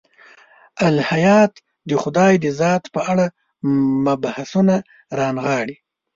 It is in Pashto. الهیات د خدای د ذات په اړه مبحثونه رانغاړي.